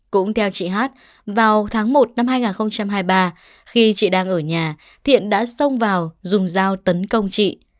cũng theo chị hát vào tháng một năm hai nghìn hai mươi ba khi chị đang ở nhà thiện đã xông vào dùng dao tấn công chị